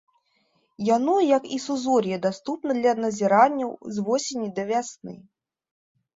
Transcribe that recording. Яно як і сузор'е даступна для назіранняў з восені да вясны.